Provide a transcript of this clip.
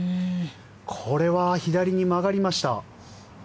これは左に曲がりました。